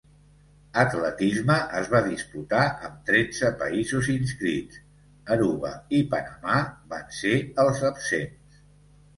Atletisme es va disputar amb tretze països inscrits —Aruba i Panamà van ser els absents—.